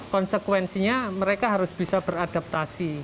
konsekuensinya mereka harus bisa beradaptasi